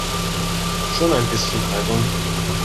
Schon ein bisschen albern.